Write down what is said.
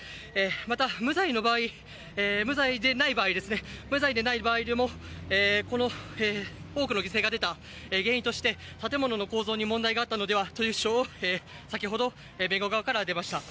また、無罪ではない場合でもこの多くの犠牲が出た原因として建物の構造に問題があったのではという主張を先ほど、弁護側から出ました。